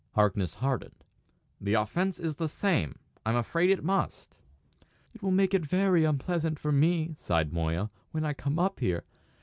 Harkness hardened. "The offence is the same. I'm afraid it must." "It will make it very unpleasant for me," sighed Moya, "when I come up here.